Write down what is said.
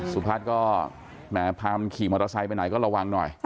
สุพัฒน์ก็แหมพามันขี่มอเตอร์ไซค์ไปไหนก็ระวังหน่อย